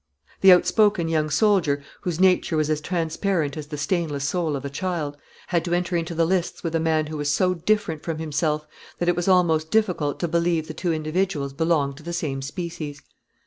The outspoken young soldier, whose nature was as transparent as the stainless soul of a child, had to enter into the lists with a man who was so different from himself, that it was almost difficult to believe the two individuals belonged to the same species.